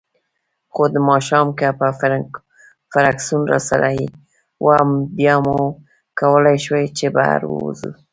خو ماښام که به فرګوسن راسره وه، بیا مو کولای شوای چې بهر ووځو.